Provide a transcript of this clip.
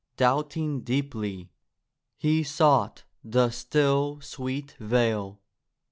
Doubting deeply, he sought the still, sweet vale.